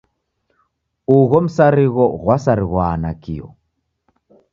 Ugho msarigho ghwasarighwa nakio.